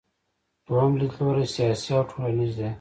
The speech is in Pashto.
دویم لیدلوری سیاسي او ټولنیز دی.